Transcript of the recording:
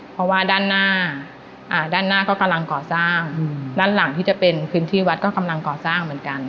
เพราะว่าด้านหน้าด้านหน้าก็กำลังก่อสร้างด้านหลังที่จะเป็นพื้นที่วัดก็กำลังก่อสร้างเหมือนกัน